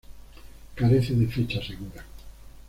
Carece de fecha segura.